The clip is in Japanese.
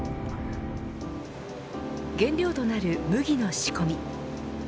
原料となる麦の仕込み。